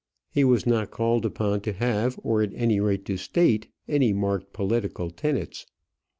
He was not called upon to have, or at any rate to state, any marked political tenets.